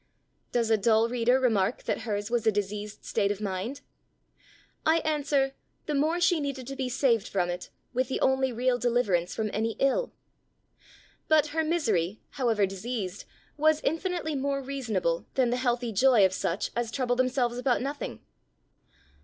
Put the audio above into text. Does a dull reader remark that hers was a diseased state of mind? I answer, The more she needed to be saved from it with the only real deliverance from any ill! But her misery, however diseased, was infinitely more reasonable than the healthy joy of such as trouble themselves about nothing.